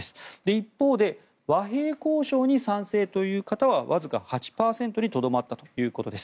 一方で和平交渉に賛成という方はわずか８％にとどまったということです。